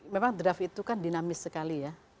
memang draft itu kan dinamis sekali ya